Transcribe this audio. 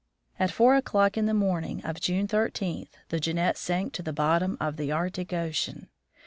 At four o'clock in the morning of June 13, the Jeannette sank to the bottom of the Arctic ocean.